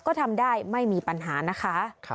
ก็ทำได้ไม่มีปัญหานะคะ